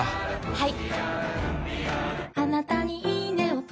はい。